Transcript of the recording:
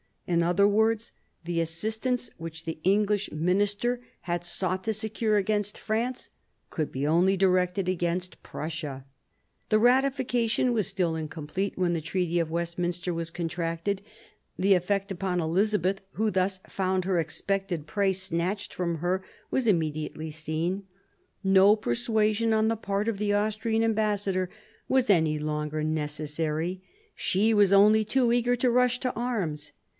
In other words, the assistance which the English ministry had sought to secure against France could be only directed against Prussia. The ratification was still incomplete when the Treaty of Westminster was contracted; the effect upon Elizabeth, who thus , found her expected prey snatched from her, was im^ mediately seen. No persuasion on the part of the Austrian ambassador was any longer necessary, she was only too eager to rush to arms.